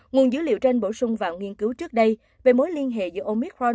nguồn dữ liệu trên bổ sung vào nghiên cứu trước đây về mối liên hệ giữa omithoi